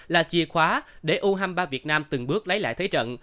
là chìa khóa để u hai mươi ba việt nam từng bước lấy lại thế trận